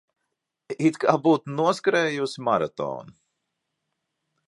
It kā būtu noskrējusi maratonu.